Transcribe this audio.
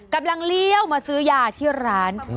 กำลังเลี้ยวมาซื้อยาที่ร้าน